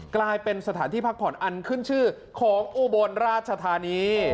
กลายเป็นสถานที่พักผ่อนอันขึ้นชื่อของอุบลราชธานี